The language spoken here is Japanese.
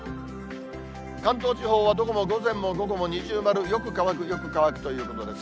関東地方は、どこも午前も午後も二重丸、よく乾く、よく乾くということです。